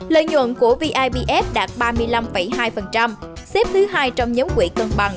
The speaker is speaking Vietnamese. lợi nhuận của vipf đạt ba mươi năm hai xếp thứ hai trong nhóm quỹ cân bằng